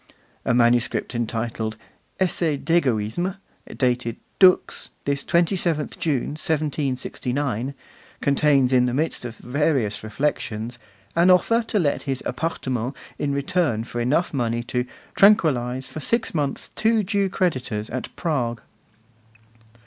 A manuscript entitled 'Essai d'Egoisme,' dated, 'Dux, this 27th June, 1769,' contains, in the midst of various reflections, an offer to let his 'appartement' in return for enough money to 'tranquillise for six months two Jew creditors at Prague.